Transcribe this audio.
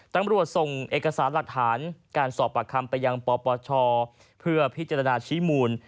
ตำรวจส่งเอกสารหลักฐานการสอบปากคำไปยังปปชเพื่อพิจารณาชี้มูล